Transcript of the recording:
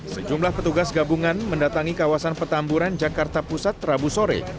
sejumlah petugas gabungan mendatangi kawasan petamburan jakarta pusat rabu sore